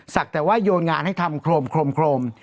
แต่ว่าโยนงานให้ทำโครม